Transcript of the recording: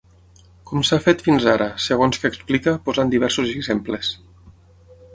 Com s’ha fet fins ara, segons que explica, posant diversos exemples.